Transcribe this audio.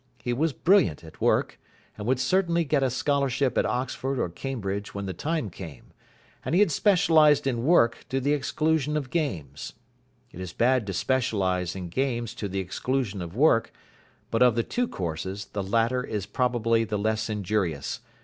He was brilliant at work, and would certainly get a scholarship at Oxford or Cambridge when the time came; and he had specialised in work to the exclusion of games. It is bad to specialise in games to the exclusion of work, but of the two courses the latter is probably the less injurious.